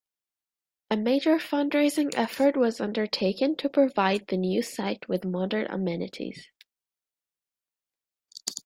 A major fund-raising effort was undertaken to provide the new site with modern amenities.